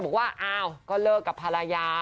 บอกว่าอ้าวก็เลิกกับภรรยา